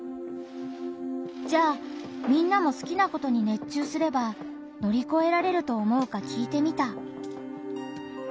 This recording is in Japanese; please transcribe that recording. じゃあみんなも好きなことに熱中すれば乗り越えられると思うか聞いてみた。